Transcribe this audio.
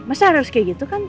masa harus kayak gitu kan